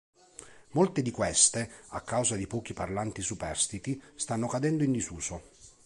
Molte di queste, a causa dei pochi parlanti superstiti, stanno cadendo in disuso.